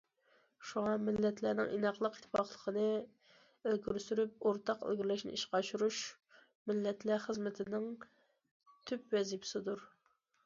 شۇڭا، مىللەتلەرنىڭ ئىناقلىق، ئىتتىپاقلىقىنى ئىلگىرى سۈرۈپ، ئورتاق ئىلگىرىلەشنى ئىشقا ئاشۇرۇش مىللەتلەر خىزمىتىنىڭ تۈپ ۋەزىپىسىدۇر.